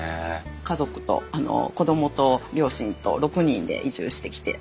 家族と子供と両親と６人で移住してきて。